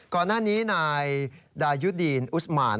ก่อนหน้านี้นายดายุดีนอุสมาน